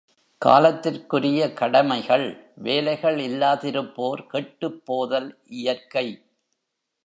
காலத்திற்குரிய கடமைகள், வேலைகள் இல்லாதிருப்போர் கெட்டுப் போதல் இயற்கை.